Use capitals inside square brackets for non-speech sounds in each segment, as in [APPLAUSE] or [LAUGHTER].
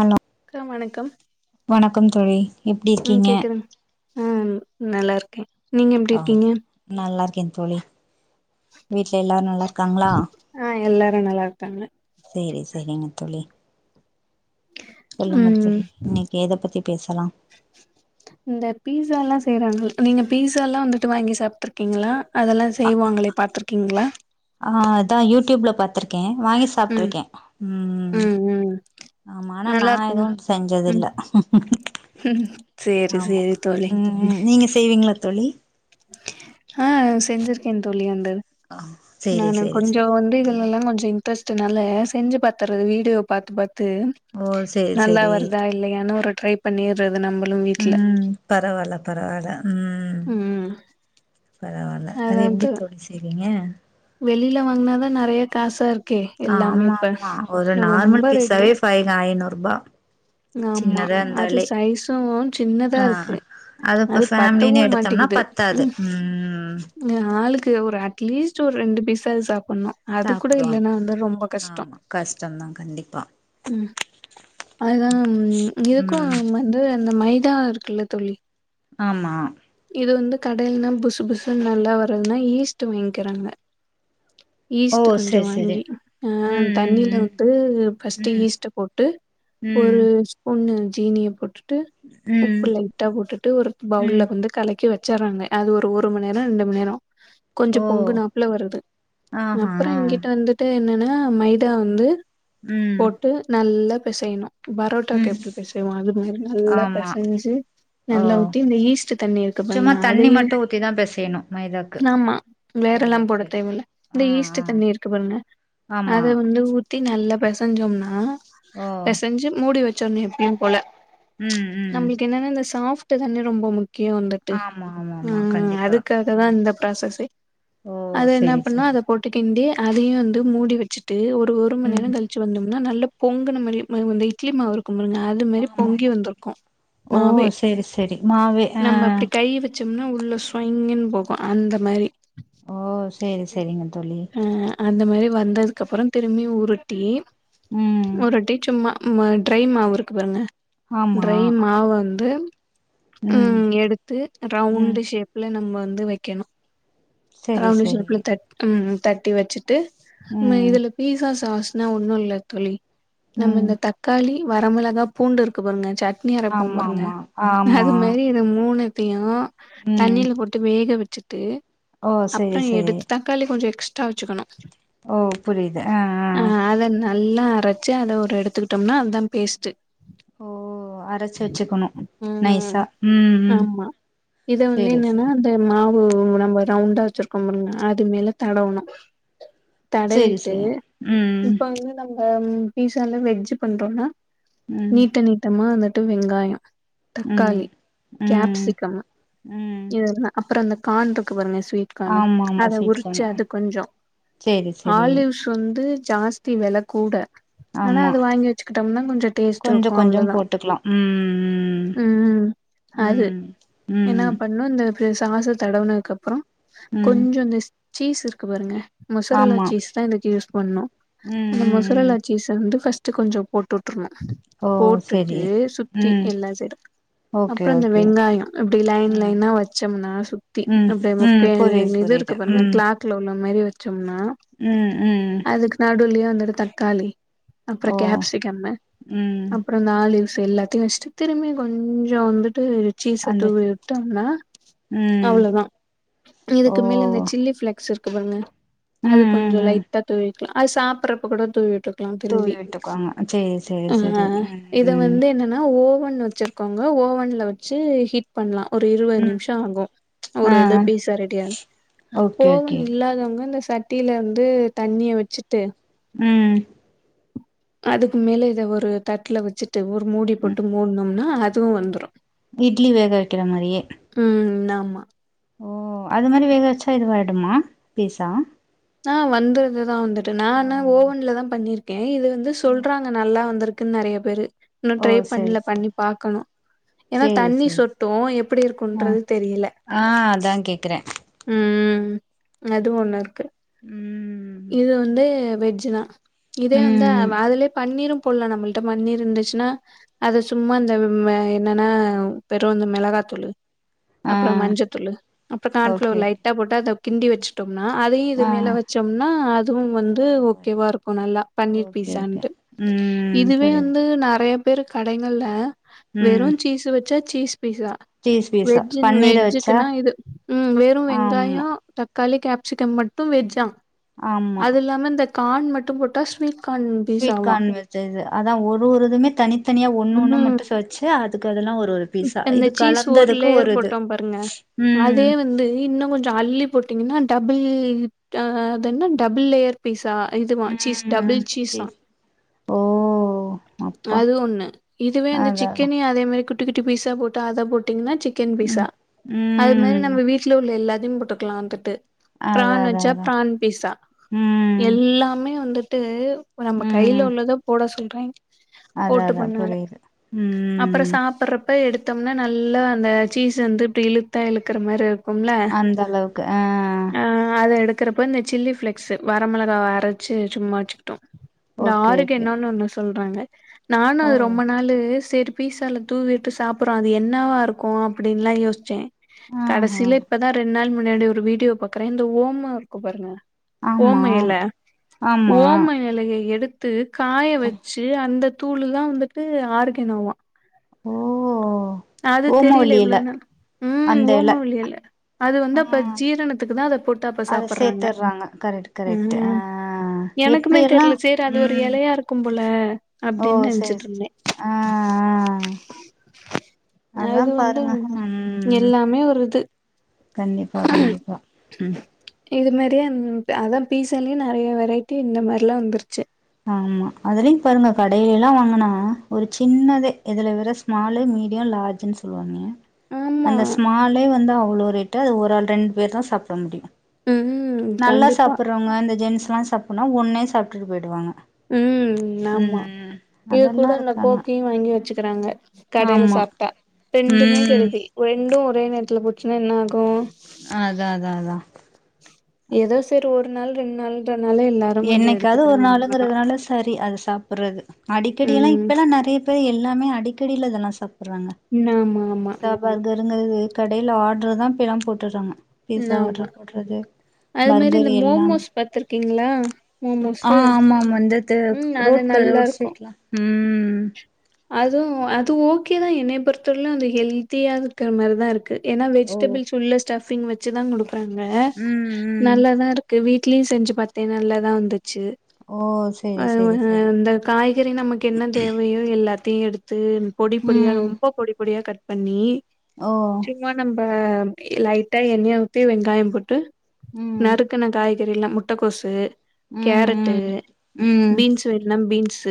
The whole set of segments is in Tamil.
அன்னா அக்கா வணக்கம் வணக்கம் தோழி எப்டி இருக்கீங்க ம் நல்லாருக்கே நீங்க எப்டி இருக்கீங்க க்கே தோழி வீட்ல எல்லாரு நல்லாருக்காங்ளா ஆ எல்லாரு நல்லா இருக்காங்க சேரி சேரிங்க தோழி சொல்லுங்க ம் தோழி இன்னக்கி எத பத்தி பேசலா செய்றாங்கள் நீங்க பீஸாலா வந்துட்டு வாங்கி சாப்ட்ருக்கீங்களா? அதெல்லா செய்வாங்களே பாத்துருக்கீங்ளா? பாத்துரு க்கே வாங்கி சாப்ட்ருக்கே ம் ம் ஆமா ஆனா நா நல்லா இருக்கும் எதுவுன் ம் செஞ்சதில்ல ம் சேரி ஆமா சேரி தோழி ம் ம் நீங்க செய்வீங்ளா தோழி ஹ செஞ்சிருக்கே தோழி அந்த சேரி நானு சேரி கொஞ்சொ சேரி வந்து இதுலல்லா கொஞ்ச இன் ட்ரெஸ்ட்டுனால செஞ்சு பாத்துரது வீடியோ பாத்து பாத் து ஓ சேரி நல்லா சேரி வருதா இல்லயானு ஒரு ட்ரை பண்ணிர்றது நம்மளு வீட்ல ம் பரவால்ல பரவால்ல ம் ம் பரவால்ல அது அதா எப்டி தோ தோழி செய்வீங்க வெளில வாங்னாதா நறைய காசா இருக் ஆமாமா ஒரு நார்மல் ரொம்ப ரேட்டு பீஸாவே ஃபைஹ ஐநூ றுபா ஆமா அது சைஸு சின்னதா ஆ இருக்கு இப்ப அது ஃபேமிலின்னு பத்தவும் எடுத்தோம்னா மாட்டிங்குது பத்தாது ம் ஆளுக்கு டு ஒரு அட்லீஸ்ட் ஒரு ரெண்டு பீசா சாப் பண்ணு அது கூட சாப்டுவாங்க இல்லைன்னா வந்து ரொம்ப கஷ்டோ ஆமா கஷ்டந்தா கண்டிப்பா ம் தம் இதுக்கு ம் வந்து அந்த மைதா இருக்குல்ல தோழி ஆமா இது வந்து கடைல்னா புஸ்சு புஸ்சுனு நல்லா வருதுன்னா ஈஸ்டு வாங்க்கறாங்க ஓ ஈஸ்ட்டு கொஞ்சோ செரி செரி வாங்கி அ தண்ணியில ம் உட்டு ஃபஸ்ட்டு ம் ம் ஈஸ்ட்ட போட்டு ம் ஒரு ஸ்பூன்னு ஜீனிய போட்று ம் ம் உப்பு லைட்டா போட்டுட்டு ஒரு ம் பவுல்ல வந்து கலக்கி வெச் வெச்சர்றாங்க அது ஒரு ஒரு மண் நேரோ ரெண்டு மண் நேரோ கொஞ்ச ஓ பொங்கு நாப்புல வருது ஆஹா அப்புறோ எங்கிட்ட வந்துட்டு என்னன்னா மைதா வந்து ம் போட்டு நல்லப் இப்ப செய்ணு பரோட்டாக்கு ம் எப்டி பேசைவோ அது மாரி நல்லா ஆமா பெசஞ்சு ஓ நல்லா ஊத்தி இந்த ஈஸ்ட்டு தண்ணி இருக்கு சும்மா பண்ண தண்ணி அதையு மட்டு ஊத்திதா பெசையணு மைதாக்கு நாம்மா ஓ வேற எல்லாம் போட செரி செரி தேவல்ல இந்த ஆ ஈஸ்ட்டு ஆ தண்ணி இருக்கு பாருங்க ஆமா அத வந்து ஊத் தி நல்லா பெசஞ்சோம்னா ஓ பொசஞ்சு மூடி வெச் சொன்னு எப்யும் போல ம் ம் நம்ளுக்கு என்னன்னா இந்த ஸ்சாஃப் த்து தான ரொம்பமு கே வந்துட்டு ஆமா ஆமா ஆமா ம் கண்டிப்பா அதுக்காகதா ம் இந்த ஃப்ராசஸ்சே ஓ அது என்ன செரி பன்னா செரி அத போட்டுக்கிண்டி அதையு வந்து மூடி வெச்சுட்டு வந்து ஒரு ஒரு மண் ம் நேரோங் கழிச்சு வந்தம் ன நல்லா பொங்குனும் இல் வந்து இட்லி மாவுருக் குமுங்களங்க அது மாரி ஆமா பொங்கி வந்துருக்கு ஓ மாவே செரி செரி மாவே ஆ நம்ம அப்படி கை வெச்சு ன்னா உள்ள சொயிங்கன் போகு அந்த மாரி ஓஸ் சேரி சேரிங்க தோழி அந்த மாரி வந்ததுக்கப்புறோ திரும்பி உருட்டி ம் உருட்டி சும்மா மா டரை மாவுருக்கு பாருங்க ஆமா ட்ரை மாவு வந்து உ ம் எடுத்து ரவுண்டு ஷேப்ல நம்ம வந்து வக்கணு சரி சரிங்க உ உ தட்டி வச்சு ட்டு நம்ம இதுல பீசா சாஸ் ஏனா ஒன்னு இல்ல தோழி நம்ம ம் இந்த தக்காளி வரமெளகா பூண்டு இருக்கு பாருங்க சட்னி அரப்போ ஆமா பாருங்க ஆமா ஆமா அது மாரி இது மூணு பியு ம் தண்ணில போட்டு வேக வெச் சிட்டு ஓ செரி செரி தக்காளி கொஞ்சோ எக்ஸ்ட்ரா வச்சுணு ஓ புரியுது ஆ ஆ அத நல்லா அரைச்சி அத ஒரு எடுத்துக்கிட்டோம்னா அத்தா பேஸ்ட்டு ஓ அரைச்சு வச்சுக்கணு ம். நைசா உ உ ஆமா. செரி உ உ நம்ம ரவுண்டா வச்சிருக்கோ பாருங்க இதுமேல தடவணு சேரி தடவிட்டு சேரி ம் இப்ப வந்து நம் ஆ பீஸால வெஜ்ஜு பண்றோணா ம் நீட்ட நீட்டமா அந்த ட்டு வெங்காயோ ம் தக்காளி ம் கேப்சிக்கம் ம் இதுலா அப்றோ அந் கான்ருக்கு பாருங்க ஸ்வீட் கானு ஆமா ஆமா அத ஸ்வீட் உரிச்சு கார்ன் அது கொஞ்சோ சேரி சேரி ஆலிவ்ஸ் வந்து ஜாஸ்தி வெல கூட ஆனா ஆமா அது வாங்கி வச்சுக்கிட்டோம்னா கொஞ்சோ டேஸ்ட் கொஞ்சோ இருக்கு கொஞ்சோ அவ்ளதா போட்டுக்கலா ம் உ அது ம் என்ன ம் பண்ணு இந்த இ சாஸ தடவுனதுக்கப்றோ ம் சீஸ் இருக்கு பாருங்க ஆமா மொசுரல்லாச் சீஸ்தா எனக்கிஸ் ஒண்ணு ம் அந்த ம் ம் மொசுரல்லாச்சீஸ் வந்து ஃப்ஸ் ட்டு கொஞ்சோ போட்டு உட்டுருணு ஓ போட்டுட்டு செரி சுத்தி ம் எல்லா சேந்து ஓகே அப்புறோ இந்த ஓகே வெங்காயோ இப்டி லைன் ம் லைனா வெச்சோம்னா சுத்தி ம் அப்டியே ம் முக்கே புரியுது புரியுது இதுருக் பாருங்க ம் கிளாக்ல உள் இந்த மாரி வெச்சு ம்னா ம் ம் அதுக்கு நடுள்ளியா ஒரு தக்காளி அப்புறோ ஓ கேப்சிகம்மு ம் அப்புறோ நாலு எல்லாத்தையு வெச்சுட்டு திரும்பி கொஞ்சோ வந்துட் டு சீஸ்ய அந்த தூவி விட்டோம்னா ம் அவ்வளோதா ஓ இதுக்கு மேல இந்த ஃப்ளெக்ஸ் இருக்கு பாருங்க அது ம் ம் கொஞ்சோ ம் லைட்டா தூவி அது சாப்புறப்ப கூட தூவி விட்டுக் க்குளா தூவி திரும்பி விட்டுக்குவாங்க சேரி சேரி அ சேரி இத ம் வந்து என்னன்னா ஓவன் ஓவன் வெச்சுருக்கோங்க ஓவன்ல வெச்சு ஹீட் பண்லா ஒரு இருவது ம் நிம்ஷோ ஆகு ஆ ஒரு இது பீஸா ரெடி ஆகு ஓகே கோவோ ஓகே இல்லாதவங் இந்த சட்டில வந்து தண்ணிய வெச்சுட்டு ம் அதுக்கு மேல இத ஒரு தட்ல வெச்சுட் டு ஒரு ம் மூடிப்போட்டு மூன்னும் னா அதுவு வந்துரு இட்லி வேக வெக்கிற மாரியே ம் ஆமா ஓ அது மாரி வேக வெச்சா இது ஆயிடுமா பீசா ஆ வந்துருதுதா வந்துர் டு நானா ஓவன்லதா பண்ணிருக் ஏய் இது வந்து ஓ சொல்றாங்க நல்லா வந்துருக் இதுக்குன் நறைய பேரு இன்னு ஓ ட்ரை சேரி பண்ல பண்ணி சேரி பாக்கணு ஏன்னா சேரி தண்ணி சேரி சொட்டு எப்படி ஆ இருக்கும்ன்றது தெரியில ஆ அதா கேக்குறே ம் ம் அது ஒண்ணு இருக்கு ம் இது வந்து வெஜினா இதே வந்து ம் அதுலயே பண்ணிரும் போல்ல நம்மள்ட்ட மண்ணிர் இருந்துச்சுன்னா அத சும்மா அந்த என்னன்னா பெரு அந்த மிளகாத்தூளு ஆ அப்ற மஞ்சத்தூளு அப்ட கான்ஃப்ளோ ஓகே ஓகே லைட்டா போட்ட அத கிண்டி வச்சுட்டோம்னா அதையு இது ஆ மேல வச்சு டம்னா அதுவு வந்து ஓகேவா இருக்கு நல்லா பன்னீர் ஓகே ஓகே பீசான்ட்டு ம் இதுவே வந்து புரியுது நெறைய பேறு கடைகள்ள வேற ம் சீஸ வச் சஅச்சீஸ் பீசா சீஸ் பீஸா வெஜ் பன்னீர வச்சா வெஜ்ஜுக்குன்னா இது ம் வெறு ஆமா வெங்காயம் தக் களி கேப்சிகம் மட்டு வெஜ்ஜா ஆமா அது இல்லாம இந்த கான் மட்டு போட்டா ஸ்வீட் கார்ன் ஸ்வீட் பீஸாவாம் கார்ன் வ இது அதா ஒரு ஒருதுமே தனித்தனியா ஒண்ணு ஒண்ணு மட்டு ஸ்வச்சு இருக்குதுல்லா ஒரு ஒரு பீஸா அந்த இது சீஸ் ஒரு கலந்ததுக்கு லேயர் இது போட்டோ பாருங்க ம் அதே வந்து இன்னு கொஞ்ச அள்ளி போட்டீங்கன்னா டபுள் அஹ அதென்ன டபுள் லேயர் பீஸ் அ இதுவ சீஸ் டபுள் ம் சீஸா சேரி ஓ அப்பா அது ஒண்ணு இதுவே வந்து அதா அதா சிக்கன அதே மாரி குட் குட்டி குட்டி பீஸா போட்ட அத போட்டிங்கன்னா சிக் கன் பீஸா ம் அது மாரி ம் நம்ம வீட்ல உள்ள எல்லா யும் போட்டுக்கலாந்தட்டு அதா ப்ரான் அதா வச்சா அதா ப்ரான் பீஸா ம் எல்லாமே வந்து ட்டு இப்ப நம்ம கையில உள்ளத போட சொல் ரைட் அதாதா புரியுது ம் அப்பே எடுத்தம்னா நல்லா அந்த சீஸ் வந்து இப்டி இலுத்தா இலுக்கற மாரி இரு ஒம்ல அந்த அளவுக்கு ஆ ஆ அத எடு இருக்கிறப்ப இந்த சில்லி ஃளேக்ஸ் வரமிளகா வ அரச்சி சும்மாச்சு ஓகே நாருக்கு ஓகே என்னன்னு ஒன்னு சொல் வாங்க நானு ஓ அது ரொம்ப நாளு திருப்பீ சல்லு தூவிட்டு சாப்றோ அது என்னவா இருக்கோ அப்டின்லா யோஸ்ச்சே ஆஹா கடைசியல இப்பதா ரெண்டு நாள் மு முன்னாடி ஒரு வீடியோ பாக்கறேன் இந்த ஓம்மோ இருக்கு பாருங்க ஆமா ஓமயல ஆமா ஓமயலையை எடுத் த்து காய வச்சு அந்த தூளுதா வந்துட்டு ஆறிக்கே நோவ்வா ஓ அது தெரியல ஓமவல்லி எல இவ்ளேன்னு ம் அந்த எல ஓம்மவல்லியல அது வந்து ஆ அப்ப ஜீரணத்துக்கு தா அத போட்டு அப்ப அத சாப்றாங்க சேத்துர்றாங்க கரெக்ட் கரெக்ட் ஆ ம் எனக்குமே எப்டியெல்லா தெர்ல செரி அது ஒரு ம் யலையா இருக்கும் போல ஓ அப்டின்னு சரி நெனச்சிட்டு ச இருந்தே ஆ ஆ அதா அது வந்து பாருங்க ம் ம் எல்லாமே ஒரு இது கண்டிப்பா கண்டிப்பா ம் இது மாரி என்ப அதா பீஸாலே நெறைய வெரைட்டி இந்த மாரிலா வந்துருச்சி ஆம்மா அதுலயு பாருங்க கடையிலல்லா வாங்கனா ஒரு சின்னதே இதுல வெற ஸ்மாலு மீடிய லார்ஜ்ன் சொல்லுவாங்க ஆமா அந்த ஸ்மாலே வந்து அவ்ளோ போயிட்டு அது ஒரு ஆள் ரெண்டு பேர் தா சாப்பட முடியும் ம் நல்லா கண்டிப்பா சாப்புறவங்க இந்த ஜென்ஸ் ல்லா சாப்புன்னா ஒண்ணே சாப்ட்டுடு போயிடுவாங்க ம் ஆமா ம் இது அதெல்லா கூட அந்த இருக்கு ஆனா கோக்கையு வாங்கி வச்சுக்கறாங்க கடையல ஆமா சாப்ட்டா ரெண்டுமே ம் கெடுதி ரெண்டு ஓ ஒரே நேரத்துல போச்சுன்னா என்ன ஆகும் அதா அதா அதா ஏதோ செரி ஒர் ஒர் நாள் ரெண் நாள் என்னைக்காது ஒரு நாளுங்கறதுனால செரி அத சாப்புறது அடிக்கடி எல்லா ம் இப்ப எல்லா நெறைய பேர் எல்லாமே அடிக்கடியல இதெல்லா சாப்புறாங்க ஆமா ஆமா பீசா பர்கருங்கறது கடையில ஆர்டர் தா இப்ப எல்லா போட்டுறாங்க ம் ஆமா அது மாரி பர்கர் இந்த எல்லாமே மோமோஸ் பாத்துருக்கீங்களா ஆ மோமோஸு ஆமா ஆமா இந்த தே ம் அது ரோட் கட ஒரு நல்லாருக்கு ஸ்ட்ரீட் ம் ம் அதுவு அது ஓகே தா என்னைய பொறுத்தவர்ல அந்த ஹெல்தியா இருக்கற மாரிதா இருக் கு ஏன்னா ஓ வெஜிடபிள்ஸ் உள்ள ஸ்டஃபிங் வச் ச்சிதா குடுக் அப்புறங்க ம் ம் நல்லாதா இருக்கு வீட் இட்லி செஞ்சி பாத்தே நல்லாதா வந்து ச்சி ஓ சேரி ஆ சேரி சேரி இந்த காய்கறி நமக்கு என்ன தேவையோ எல்லா த்தையு எடுத்து பொடி பொடியா ம் ரொம்ப பொடி பொடியா கட் பண்ணி ஓ சும்மா நம்ப ஆ லைட்டா எண்ணெய்ய ஊத்தி வெங்காயம் போட்டு ம் நறுக்கன காய் தெரில்னா முட்டக்கோசு ம் கேரட்டு ம் ம் பீன்ஸ் வெட்னா பீன்ஸ்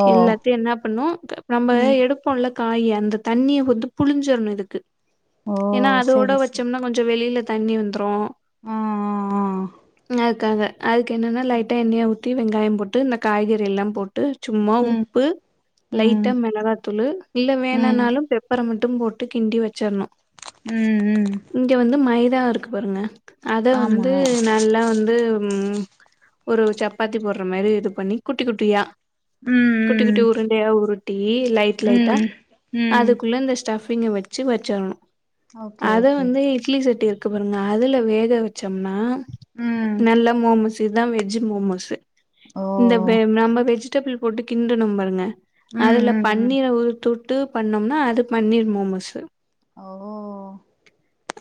ஓ எல்லாத்தையு என்ன பண்ணோ நம்ப ம் எடுப்போ இல்ல காய அந்த தண்ணிய வந்து புழிஞ்சொர்ணோ இதுக்கு ஓ ஏன்னா அதோட சேரி சேரி வச்சோம்னா கொஞ்ச வெளில தண்ணி வந்துரும் ஆ ஆ ஆ ம் அதுக்காக அதுக்கு என்னன்னா லைட்ட எண்ணைய ஊத் ட்டு வெங்காயோ போட்டு இந்த காய்கறி எல்லா போட்டு ட்டு சும்மா ம் உப்பு ம் லைட்டா மெளகா தூளு இல்ல ம் வேணுனாலு பெப்பர் அ மட்டு போட்டு கிண்டி வச்சிர்ணு உ உ தா இருக்கு பாருங்க அத வந்து நல்லா வந்து உ ஒரு சப்பாத்தி போடுற மாரி இது பண்ணி குட்டி குட்டியா குட்டி குட்டி ம் உருன் உருட்டி டி லைட் ம் லைட்டா ம் ம் அதுக்குள்ள இந்த ஸ்டஃப் ஃபிங்க வச்சு வச்சிர்ணு ஓகே அத ஓகே வந்து இட்லி சட்டி இருக் க்கு பாருங்க அதில வேக வச்சோம்னா ம் நல்ல மோமசு இத்தா வெஜ்ஜு மோமோஸ் ஓ இந்த வேம் நம்ம வெஜ் ஸ்டபிள் போட்டு கிண்டனு பாருங்க ம் அதுல ம் ம் பண்ணிற ஒரு தொட் டு பண்ணோம்னா அது பன்னீர் மாோமோஸ் ஓ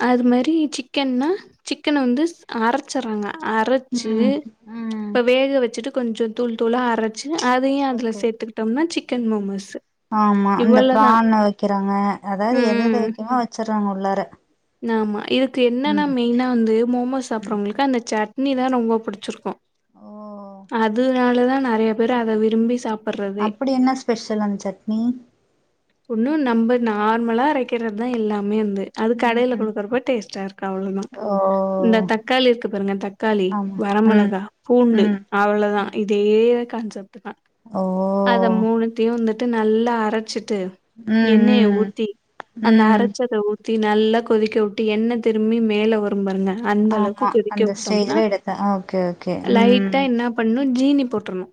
அது மாரி சிக்கன்ன்னா சிக்கன் வந்து அரைச்சறாங்க அரைச்சு ம் ம் இப்ப வேக வச்சுட்டு கொஞ்சம் தூள் தூளா அரைச்சு அதையு அதுல ஓகே ஓகே சேர்த்துட்டோம்னா சிக் சிக்கன் மோமோஸு ஆமா அந்த இவ்வளதா ப்ராணை வைக்கிறாங்க அதாவது எததை ம் வைக்கமோ வச்சு [UNINTELLIGIBLE] உள்ளார ஆமா இதுக் என்னென்னா ம் மெயினா வந்து மோமோ சாப்பிட்றவங்களுக்கு அந்த சாட் இனி தா ரொம்ப புடிச்சிருக்கு ஓ அது அதனால த நறைய பேர் அத விரும்பி சாப் அப்புடி என்ன ஸ்பெஷல் அந் சட்னி உன்னு நம்ம நார்மலா அரைகிறது தா எல்லாமே வந்து அது கடைல ம் கொடுகறப்ப டேஸ்டா இருக்கு அவ்ளோதா ஓ இந்த தக்காளி இருக்கு பாருங்க தக்காளி ஆமா ம் வரமிளகா பூண்டு ம் அவ்வளவுதா இதே காஞ்சப் அ ஓ அத மூணுதீயு வந்துட் இது நல்லா அரச்சிட்டு ம் எண்ணைய ம் ஊத்தி அந்த ம் அரச்சத ஊத்தி ஊத்தி நல்லா கொதிக்க வுட்டு எண்ண திரும்பி மேல வரு பருங்க ஆமா அந்த ஸ்டேர எடுத்தே ஓகே ஓகே ம் ப ஜீனி போட்டுரணு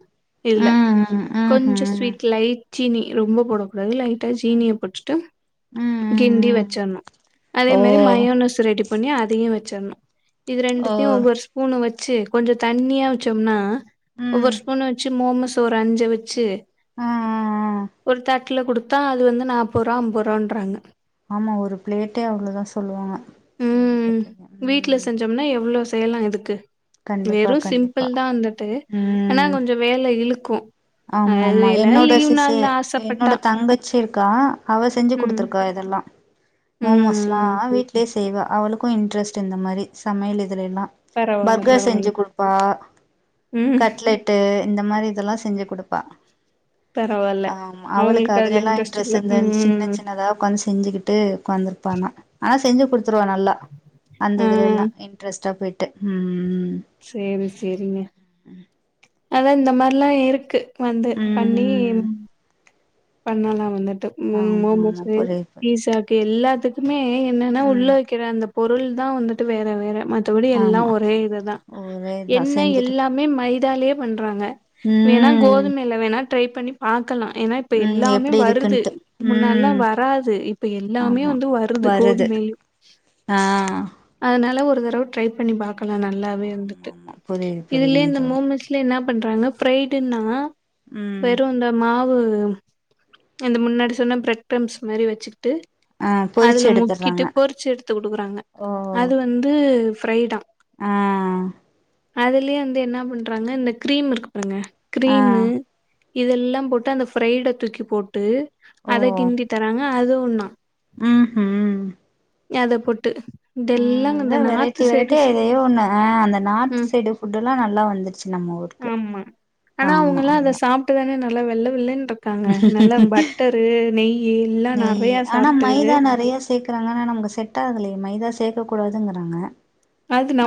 இல்ல ம் ம் கொஞ்ச ம்ஹும் ம் ஸ்வீட் லைட் சீனி ரொம்ப போடகூடாது லை ட்டு ம் ஜீனிய பேட்டுட்டு ம் கிண்டி ம் வச்சினு அதே ஓ மரி மயோனஸ் ரெடி பொண்ணி அதியு வச்சரனு இது ஓ ரெண்டுத்தியு ஒவ்வொரு ஸ்பூன் வச் ச்சி கொஞ்ச தண்ணியா வச்சோம்னா ம் ஒவ்வொரு ஸ்பூன் வச்சு மோமஸ் தொற அஞ்ச வச்சி ஆ ஆ ஆ ஒரு தட் க்ல குடு த்தா அது வந்து நாப்பருவா அம்பருவான்றாங்க ஆமா ஒரு பிளேட்டே அவ்ளதா சொல்லுவாங்க ம் கேள்விபட்ருக்கே ம் பே எல்லா எதுக்கு கண்டிப்பா வெறு சிம்பிள் கண்டிப்பா தா வந்துட்டு ஆனா கொஞ்சொ வேல இழுக்கு அது ஆமாமா எல்லா என்னோட லீவ் சிசு நாள்ல என்னோட ஆசப்பட்டா தங்கச்சி கா அவ செஞ்சு ம் குடுத்துருக்கா இதெல்லா மோமோஸ்லா ம் வீட்லயே செய்வா அவளுக்கு இன்ட்ரெஸ்ட் இந்த மாரி சமயல் இதுலெல்லா பரவால்ல பர்கர் பரவால்ல செஞ்சு குடுப்பா ம் கட்லெட்டு இந்த மாரி இதெல்லா செஞ்சு குடுப்பா பரவால்ல ஆமா அவளுக்கு அவங்களுக்கு அதுல அதுலெல்லா இன்ட்ரெஸ்ட் இன்ரெஸ் போல இந்த சின்ன ம் சின்னதா உக்காந்து செஞ்சுகிட்டு உக்காந்துருப்பானா ஆனா செஞ்சு த்துருவ நல்லா ஆ அந்ததுலெல்லா இன்ட்ரெஸ்ட்டா போயி ட்டு ம் ம் சேரி சேரிங்க அதா இந்த மார்லா இருக்கு வந்து ம் பண்ணி ம் பண்ணலா வந்து ட்டு மொ ஆமா ஆமா புரியுது மோமோஸு புரியுது பீஸா எல்லாத்துக்குமே என்னன்னா உள்ள ம் வக்கிற அந்த பொருள் தா வந்துட்டு வேற வேற மத்தபடி எல்லா ஆமா ஒரே இதுதா ஒரே இதா என்ன செஞ்சுட்டு எல்லாமே மைதாலெயே பண்றாங்க வேணா ம் கோதுமைல வேணா ட்ரை பண்ணி பாக்கலா ஏனா இப்ப ம் எல்லாமே எப்டி வருது இருக்குன்ட்டு முன்னால்லா ம் வராது இப்ப எல்லாமே ஆமா வந்து வருது கோதுமைலு ஆ அதுனால ஒ ரு தடவ ட்ரை பண்ணி பாக் கலா நல்லாவே வந்துட்டு ஆமா புரியுது இதுலே புரியுதுங்க இந்த தோழி மோமோஸ்லெ என்ன பண்றாங்னா ஃப்ரைடுன்னா ம் வெறு இந்த மாவு தா அந்த முன்னாடி சொன்ன பிரட்க்ரம்ஸ் மாரி வச்சுக்கிட்டு ஆ பொரிச்சு அதுல எடுத்துர்றாங்க முக்கிட்டு பொறுச்சு எடுத்து குடுக்குறாங்க ஓ அது வந்து ஃப்ரைதா ஆ அதுலயே வந்து என்ன பண்றாங்க இந்த கிரீம் இருக்குப் பாருங்க கிரீமு ஆ இதெல்லாம் போட்டு அந்த ஃப்ரைடு தூக்கி போட்டு ஓ அத கிண்டி தராங்க அதுவு ஒண்ணா ம் ம் எது புட் ம் இதா வெரைட்டி வெரைட்டி சைடு ஸ் எதையோ ஒண்ண ஆ அந்த நார்த்து ம் சைடு ஃபுட்டு எல்லா நல்லா வந்துருச்சு நம்ம ஊருக்கு ஆமா. ஆமா அதுதா வெள்ள வெள்ள வெள்ளன் இருக்காங்க நல்லா பட்டரு நெய்யு எல்லா நெய் நறைய ஆனா சாப்புட்டு மைதா நெறைய சேக்குறாங்க ஆன்னா நமக்கு செட்டாகுலையே மைதா சேக்க கூடாதுங்குறாங்க அது நம்